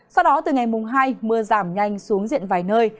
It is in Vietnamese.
sau đó từ ngày mùng hai mưa giảm nhanh xuống diện vài nơi